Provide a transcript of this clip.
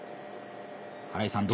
荒井さん